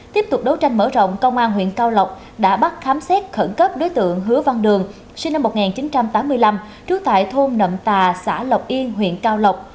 tiếp tục đấu tranh mở rộng công an huyện cao lộc đã bắt khám xét khẩn cấp đối tượng hứa văn đường sinh năm một nghìn chín trăm tám mươi năm trú tại thôn nậm tà xã lộc yên huyện cao lộc